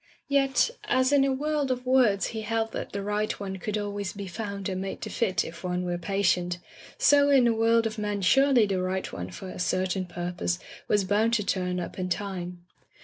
Yet, as in a world of words he held that the right one could always be found and made to fit if one were patient, so in a world of men surely the right one for a certain pur pose was bound to turn up in time.